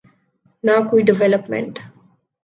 نہ کوئی ڈویلپمنٹ۔